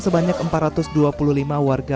sebanyak empat ratus dua puluh lima warga